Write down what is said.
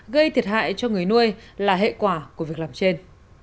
gây thiệt hại cho người nuôi là hệ quả của việc làm trên